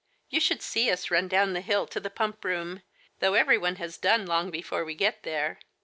You should see us run down the hill to the Pump room, though everyone has done long before we get there